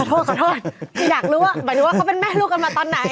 ขอโทษคิดอยากรู้ว่าเหมือนเขาเป็นแม่ลูกมาตอนไหน